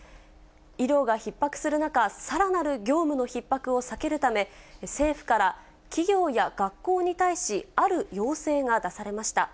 医療がひっ迫する中、さらなる業務のひっ迫を避けるため、政府から企業や学校に対し、ある要請が出されました。